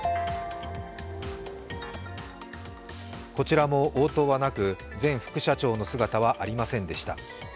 こちらも応答はなく前副社長の姿はありませんでした。